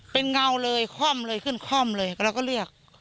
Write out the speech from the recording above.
เป็นเงาเลยค่อมเลยขึ้นค่อมเลยเราก็เรียก